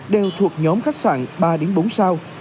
đều thuộc nhóm khách sạn ba bốn sao